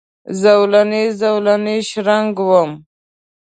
زولنې، زولنې شرنګ وم